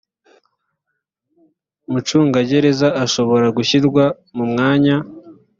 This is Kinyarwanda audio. umucungagereza ashobora gushyirwa mu mwanya